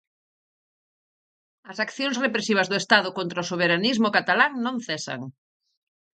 As accións represivas do Estado contra o soberanismo catalán non cesan.